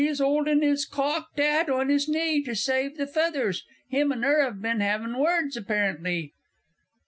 He's 'olding his cocked 'at on his knee to save the feathers him and her have been 'aving words, apparently....